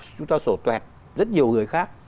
chúng ta sổ tuẹt rất nhiều người khác